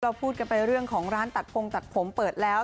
พูดกันไปเรื่องของร้านตัดพงตัดผมเปิดแล้ว